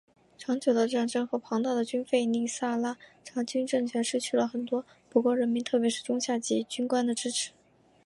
长久的战争和庞大的军费令萨拉查军政权失去了很多葡国人民特别是中下级军官的支持。